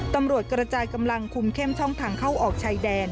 ตำรวจกระจายกำลังคุมเข้มช่องทางเข้าออกชายแดน